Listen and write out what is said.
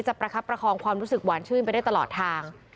ประคับประคองความรู้สึกหวานชื่นไปได้ตลอดทาง